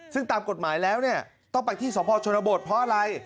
ซึ่งตามกฎหมายแล้วเนี่ยต้องไปที่สพชนบทเพราะอะไร